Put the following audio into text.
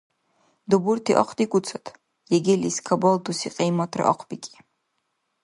Дубурти ахъдикӏуцад, ЕГЭ-лис кабалтуси кьиматра ахъбикӏи